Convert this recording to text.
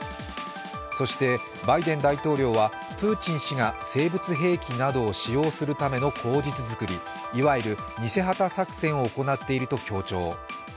そしてバイデン大統領は、プーチン氏が生物兵器などを使用するための口実づくり、いわゆる、偽旗作戦を行っていると強調。